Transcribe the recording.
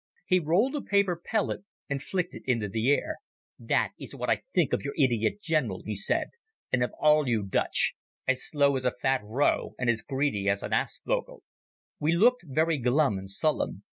He rolled a paper pellet and flicked it into the air. "That is what I think of your idiot general," he said, "and of all you Dutch. As slow as a fat vrouw and as greedy as an aasvogel." We looked very glum and sullen.